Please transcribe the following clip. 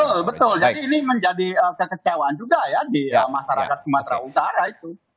jadi menjadi kekecewaan juga ya di masyarakat sumatera utara itu